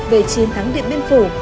về chiến thắng điện biên phủ